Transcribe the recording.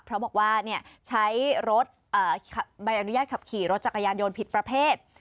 เพราะบอกว่าใช้รถใบอนุญาตขับขี่รถจักรยานยนต์ผิดประเภท